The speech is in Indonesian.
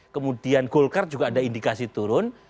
kemudian gold card juga ada indikasi turun